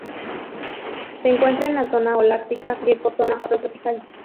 Se encuentra en la zona holártica y ecozona afrotropical.